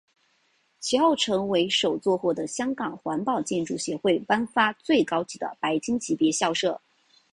其后成为首座获得香港环保建筑协会颁发最高级的白金级别校舍。